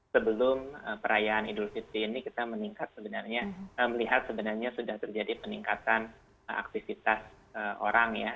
sebelum perayaan idul fitri ini kita meningkat sebenarnya melihat sebenarnya sudah terjadi peningkatan aktivitas orang ya